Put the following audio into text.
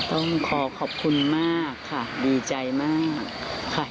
ต้องขอขอบคุณมากค่ะดีใจมากค่ะ